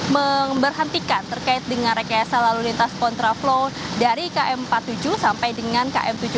memberhentikan terkait dengan rekayasa lalu lintas kontraflow dari km empat puluh tujuh sampai dengan km tujuh puluh